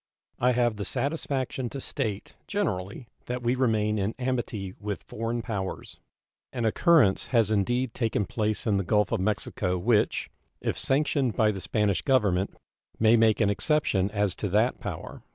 I have the satisfaction to state, generally, that we remain in amity with foreign powers. An occurrence has indeed taken place in the Gulf of Mexico which, if sanctioned by the Spanish Government, may make an exception as to that power.